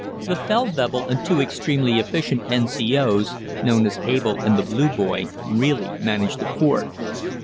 The Feldwebel and two extremely efficient N.C.O.'s, known as Abel and the "Blue Boy," really managed the fort.